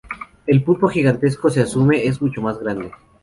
El pulpo gigantesco se asume es mucho más grande.